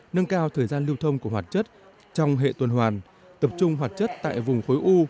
nâng cao thời gian lưu thông của hoạt chất trong hệ tuần hoàn tập trung hoạt chất tại vùng khối u